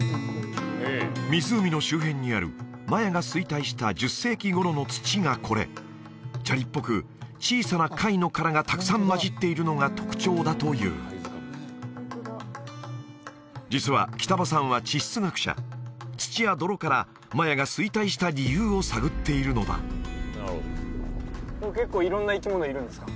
湖の周辺にあるマヤが衰退した１０世紀頃の土がこれ砂利っぽく小さな貝の殻がたくさんまじっているのが特徴だという実は北場さんは地質学者土や泥からマヤが衰退した理由を探っているのだ結構色んな生き物いるんですか？